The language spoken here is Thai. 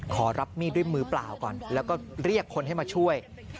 ขอรับมีดด้วยมือเปล่าก่อนแล้วก็เรียกคนให้มาช่วย